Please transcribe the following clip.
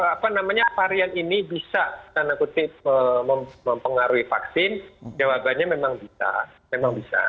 apa namanya varian ini bisa karena kutip mempengaruhi vaksin jawabannya memang bisa